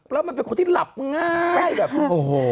แล้วมันเป็นคนที่หลับง่ายแบบโอ้โห